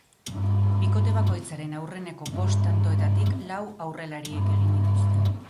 Bikote bakoitzaren aurreneko bost tantoetatik lau aurrelariek egin dituzte.